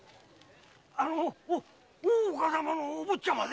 あの大岡様のお坊ちゃまで。